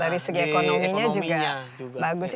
dari segi ekonominya juga bagus